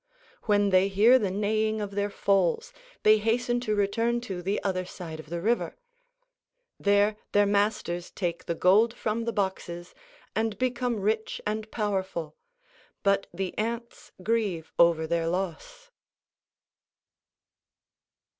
When they hear the neighing of their foals they hasten to return to the other side of the river. There their masters take the gold from the boxes and become rich and powerful, but the ants grieve over their loss.